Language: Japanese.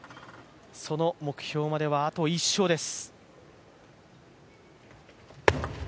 その目標まではあと１勝です。